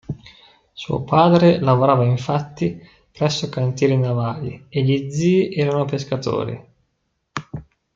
Suo padre lavorava infatti presso cantieri navali e gli zii erano pescatori.